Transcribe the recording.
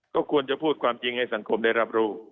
ก็ควรจะพูดความจริงให้สังคมได้รับรู้